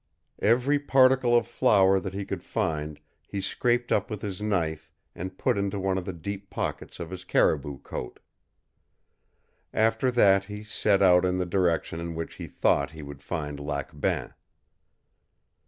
Every particle of flour that he could find he scraped up with his knife and put into one of the deep pockets of his caribou coat. After that he set cut in the direction in which he thought he would find Lac Bain.